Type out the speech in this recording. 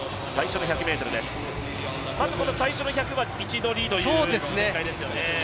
まず最初の１００は位置取りという展開ですよね。